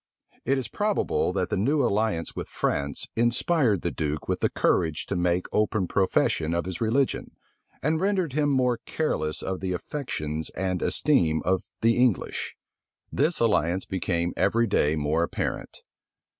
It is probable that the new alliance with France inspired the duke with the courage to make open profession of his religion, and rendered him more careless of the affections and esteem of the English. This alliance became every day more apparent.